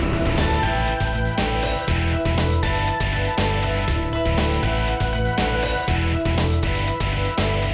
gua mau ke sana